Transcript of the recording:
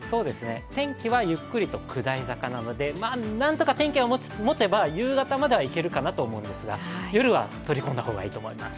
天気はゆっくりと下り坂なので、なんとか天気がもてば夕方まではいるかなと思うんですが、夜は取り込んだ方がいいと思います。